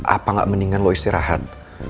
apa nggak mendingan lo istirahat